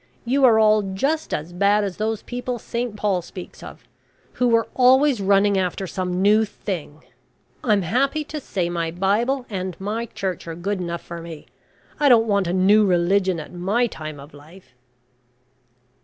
You are all just as bad as those people Saint Paul speaks of, who were always running after some new thing. I'm happy to say my Bible and my Church are good enough for me. I don't want a new religion at my time of life."